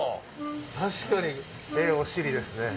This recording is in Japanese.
確かにええお尻ですね。